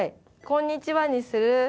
「こんにちは」にする？